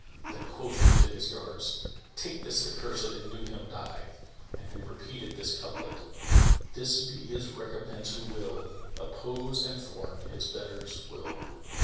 Then quoth he to his guards, "Take this accursed and do him die"; and he repeated this couplet,[FN#26] "This be his recompense who will * Oppose and thwart his betters' will."